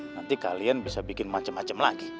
nanti kalian bisa bikin macem macem lagi